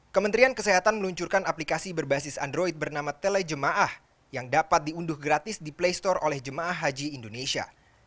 kementerian kesehatan meluncurkan aplikasi berbasis android bernama telejemaah yang dapat diunduh gratis di play store oleh jemaah haji indonesia